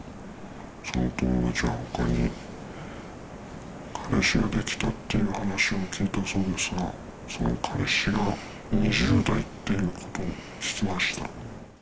その友達はほかに彼氏ができたっていう話を聞いたそうですが、その彼氏が２０代っていうことを聞きました。